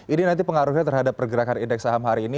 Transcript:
ini nanti pengaruhnya terhadap pergerakan indeks saham hari ini